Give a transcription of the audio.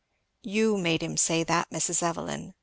"You made him say that, Mrs. Evelyn!"